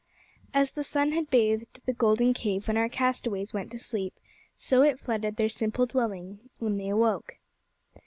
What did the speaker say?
As the sun had bathed the golden cave when our castaways went to sleep, so it flooded their simple dwelling when they awoke.